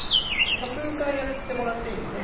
数回やってもらっていいです。